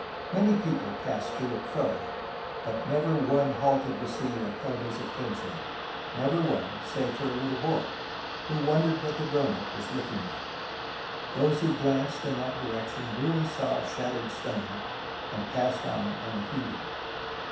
Many people passed to and fro, but never one halted to see what held his attention, never one save a little boy, who wondered what the grown up was looking at. Those who glanced in that direction merely saw a shattered stone, and passed on un heeding.